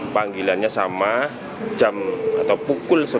panggilannya sama jam atau pukulnya